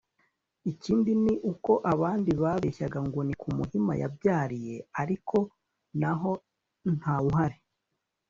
Ikindi ni uko abandi babeshyaga ngo ni ku Muhima yabyariye ariko na ho nta wuhari